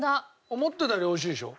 思ってたより美味しいでしょ？